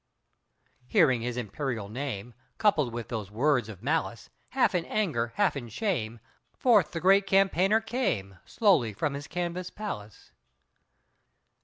Hearing his imperial name Coupled with those words of malice, Half in anger, half in shame, Forth the great campaigner came Slowly from his canvas palace.